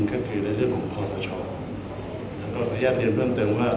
ก็คือในเรื่องของคอปชแต่ก็อนุญาตเรียนเพิ่มเติมว่า